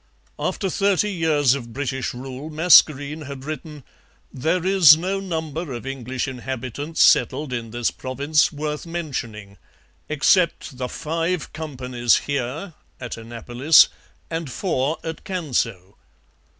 After thirty years of British rule Mascarene had written, 'There is no number of English inhabitants settled in this province worth mentioning, except the five companies here [at Annapolis] and four at Canso.'